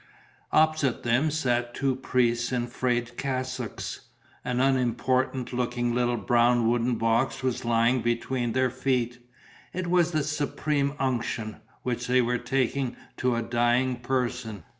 Opposite them sat two priests in frayed cassocks. An unimportant looking little brown wooden box was lying between their feet: it was the supreme unction, which they were taking to a dying person.